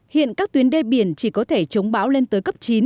hiện các tuyến đê biển chỉ có thể chống bão lên tới cấp chín